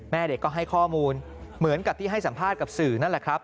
แม่เด็กก็ให้ข้อมูลเหมือนกับที่ให้สัมภาษณ์กับสื่อ